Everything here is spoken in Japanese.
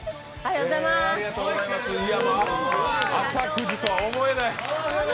朝９時とは思えない。